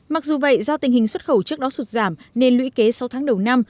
mặc dù vậy do tình hình xuất khẩu trước đó sụt giảm nên lũy kế sau tháng đầu năm